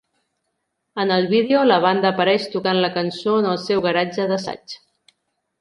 En el vídeo, la banda apareix tocant la cançó en el seu garatge d'assaig.